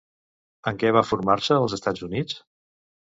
En què va formar-se als Estats Units?